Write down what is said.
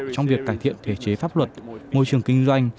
trong việc cải thiện thể chế pháp luật môi trường kinh doanh